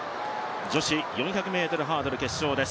女子４００ｍハードル決勝。